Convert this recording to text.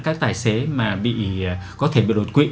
các tài xế mà có thể bị đột quỵ